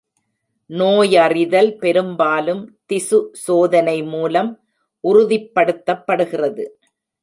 நோயறிதல் பெரும்பாலும் திசு சோதனை மூலம் உறுதிப்படுத்தப்படுகிறது.